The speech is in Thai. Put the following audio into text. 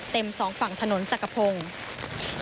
สองฝั่งถนนจักรพงศ์